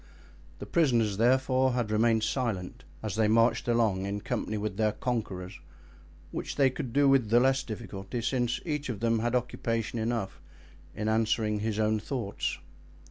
The prisoners, therefore, had remained silent as they marched along in company with their conquerors—which they could do with the less difficulty since each of them had occupation enough in answering his own thoughts.